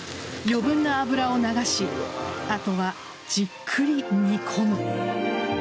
余分な油を流し後はじっくり煮込む。